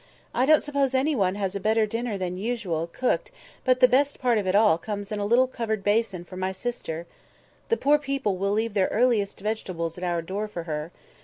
I don't suppose any one has a better dinner than usual cooked but the best part of all comes in a little covered basin for my sister. The poor people will leave their earliest vegetables at our door for her.